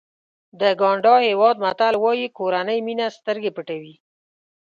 د ګاڼډا هېواد متل وایي کورنۍ مینه سترګې پټوي.